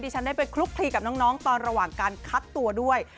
ฉันได้ไปคลุกคลีกับน้องตอนระหว่างการคัดตัวด้วย